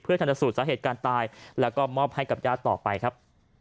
ทันสูตรสาเหตุการณ์ตายแล้วก็มอบให้กับญาติต่อไปครับ